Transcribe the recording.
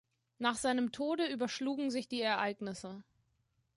Nach seinem Tode überschlugen sich die Ereignisse.